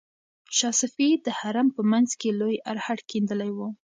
شاه صفي د حرم په منځ کې لوی ارهډ کیندلی و.